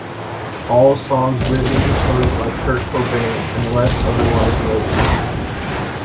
All songs written and composed by Kurt Cobain unless otherwise noted.